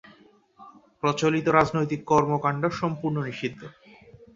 প্রচলিত রাজনৈতিক কর্মকাণ্ড সম্পূর্ণ নিষিদ্ধ।